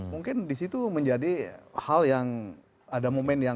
mungkin disitu menjadi hal yang ada momen yang sangat tepat untuk kita memikirkan